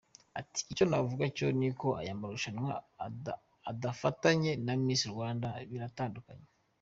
Ati “ Icyo navuga cyo ni uko aya marushanwa adafatanye na Miss Rwanda, biratandukanye.